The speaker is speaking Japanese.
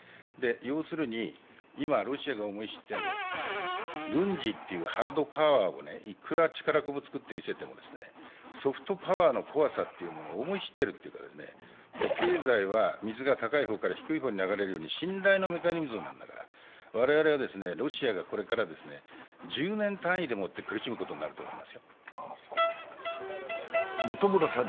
要するに今、ロシアが思い知ってるのは軍事というハードパワーをいくら力こぶつくって見せてもソフトパワーの怖さというものを思い知っているというか、経済は、水が高い方から低い方に流れるように信頼のメカニズムなんだから、我々はロシアがこれから１０年単位でもって苦しむことになると思いますよ。